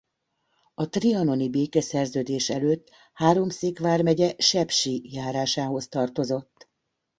A trianoni békeszerződés előtt Háromszék vármegye Sepsi járásához tartozott.